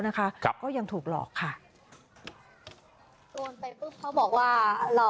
เราก็เลยโทรอายังบัญชีแจ้งความ